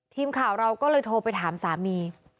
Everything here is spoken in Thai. ทีมข่าวเราก็เลยโทรไปถามสามี